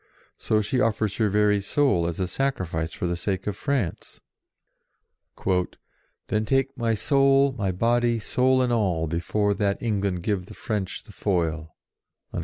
So she offers her very soul as a sacrifice for the sake of France :" Then take my soul, my body, soul and all, Before that England give the French the foil."